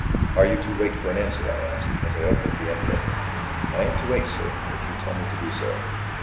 "Are you to wait for an answer?" I asked, as I opened the envelope. "I am to wait, sir, if you tell me to do so."